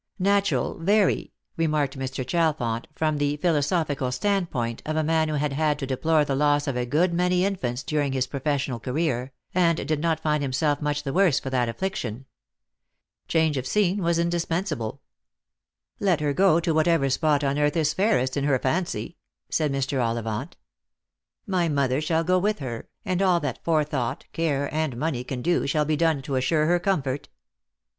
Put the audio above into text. Natural, very, remarked Mr. Ohalfont from the philo sophical standpoint of a man who had had to deplore the loss of a good many infants during his professional career, and did not find himself much the worse for that affliction. Change of scene was indispensable. " Let her go to whatever spot on earth is fairest in her fancy," said Mr. Ollivant. " My mother shall go with her, and all that forethought, care, and money can do shall be done to assure her comfort."